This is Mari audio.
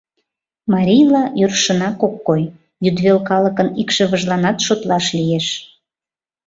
Марийла йӧршынак ок кой, йӱдвел калыкын икшывыжланат шотлаш лиеш.